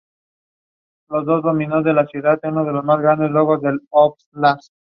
Se utiliza en perfumería, medicina y para la flotación de minerales.